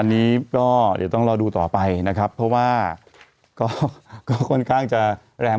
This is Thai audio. อันนี้ก็เดี๋ยวต้องรอดูต่อไปนะครับเพราะว่าก็ค่อนข้างจะแรง